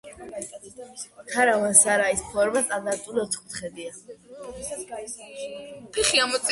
ქარავან-სარაის ფორმა სტანდარტული ოთხკუთხედია.